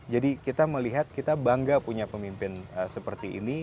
jadi kita melihat kita bangga punya pemimpin seperti ini